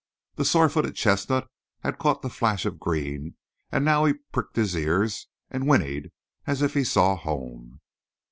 The sore footed chestnut had caught the flash of green, and now he pricked his ears and whinnied as if he saw home.